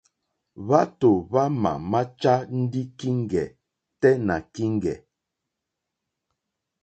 Hwátò hwámà máchá ndí kíŋgɛ̀ tɛ́ nà kíŋgɛ̀.